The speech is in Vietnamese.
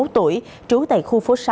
bốn mươi một tuổi trú tại khu phố sáu